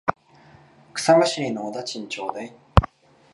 草むしりのお駄賃ちょうだい。